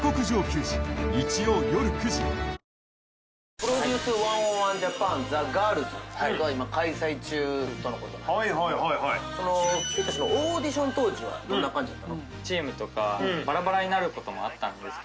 「ＰＲＯＤＵＣＥ１０１ＪＡＰＡＮＴＨＥＧＩＲＬＳ」が今開催中とのことで君たちのオーディション当時はどんな感じやったの？